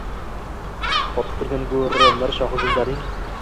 Qotib turgan Go’ri Mir, Shohizindaning